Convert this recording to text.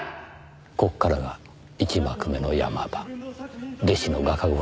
ここからが一幕目の山場弟子の画家殺しです。